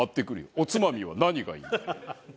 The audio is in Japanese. おつまみは何がいい？